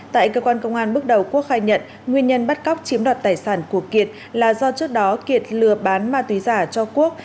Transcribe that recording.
tại cơ quan công an bước đầu quốc khai nhận nguyên nhân bắt cóc chiếm đoạt tài sản của kiệt là do trước đó kiệt lừa bán ma túy giả cho quốc